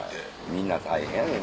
みんな大変やねんな。